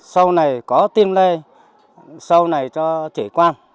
sau này có tiêm le sau này cho trẻ con